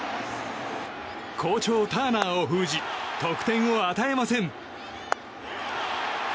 好調ターナーを封じ得点を与えません。